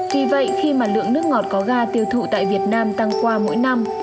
vì vậy khi mà lượng nước ngọt có ga tiêu thụ tại việt nam tăng qua mỗi năm